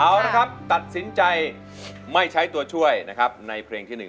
เอาละครับตัดสินใจไม่ใช้ตัวช่วยนะครับในเพลงที่๑